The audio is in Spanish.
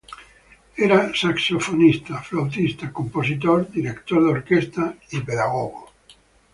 Era saxofonista, flautista, compositor, director de orquesta y pedagogo.